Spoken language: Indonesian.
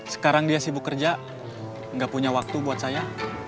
sekarang dia sibuk kerja nggak punya waktu buat saya